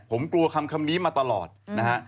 ผมกลัวคำนี้มาตลอดนะฮะ